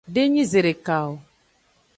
Denyi zedeka o.